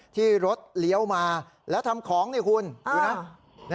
ที่รถเลี้ยวมาแล้วทำของนี่คุณดูนะ